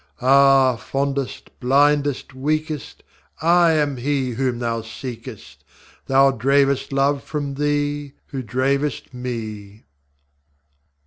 ŌĆśAh, fondest, blindest, weakest, I am He Whom thou seekest! Thou dravest love from thee, who dravest Me.